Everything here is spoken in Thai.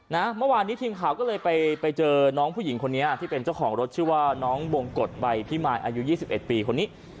เมื่อวานนี้ทีมข่าวก็เลยไปไปเจอน้องผู้หญิงคนนี้ที่เป็นเจ้าของรถชื่อว่าน้องบงกฎใบพิมายอายุ๒๑ปีคนนี้